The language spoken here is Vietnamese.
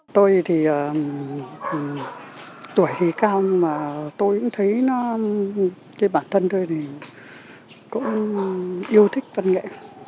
tôi thì tuổi thì cao mà tôi cũng thấy nó cái bản thân tôi thì cũng yêu thích văn nghệ